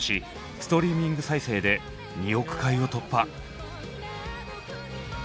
ストリーミング再生で２億回を突破。